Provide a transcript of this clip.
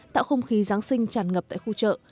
tạo không khí giáng sinh tràn ngập tại khu chợ